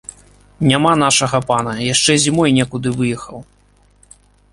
Няма нашага пана, яшчэ перад зімой некуды выехаў.